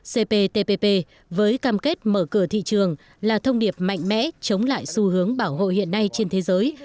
cptpp với cam kết mở cửa thị trường là thông điệp mạnh mẽ chống lại xu hướng bảo hộ hiện nay trên thế giới